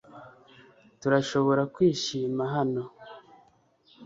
Turashobora kwishima hano